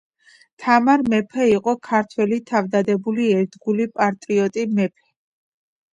თამარ მეფე იყო ქართველი თავდადებული ერთგული პატრიოტრი ... მეფე .